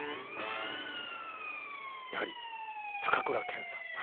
やはり高倉健さん。